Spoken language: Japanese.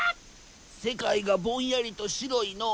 世界がぼんやりと白いの。